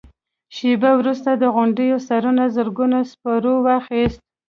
شېبه وروسته د غونډيو سرونو زرګونو سپرو واخيست.